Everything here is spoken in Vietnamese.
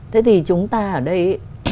thế thì chúng ta ở đây